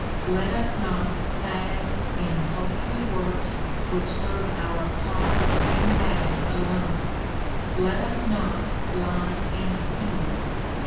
Let us not fag in paltry works which serve our pot and bag alone. Let us not lie and steal.